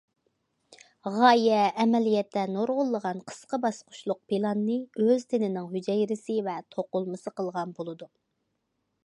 غايە ئەمەلىيەتتە نۇرغۇنلىغان قىسقا باسقۇچلۇق پىلاننى ئۆز تېنىنىڭ ھۈجەيرىسى ۋە توقۇلمىسى قىلغان بولىدۇ.